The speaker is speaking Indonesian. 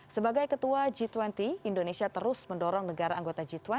sebagai ketua g dua puluh indonesia terus mendorong negara anggota g dua puluh